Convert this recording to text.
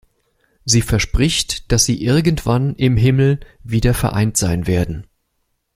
Sie verspricht, dass sie irgendwann im Himmel wieder vereint sein werden.